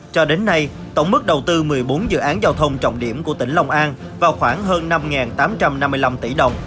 cho đến nay tổng mức đầu tư một mươi bốn dự án giao thông trọng điểm của tỉnh long an vào khoảng hơn năm tám trăm năm mươi năm tỷ đồng